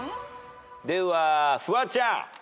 ではフワちゃん。